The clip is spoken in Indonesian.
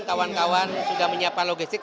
kawan kawan sudah menyiapkan logistik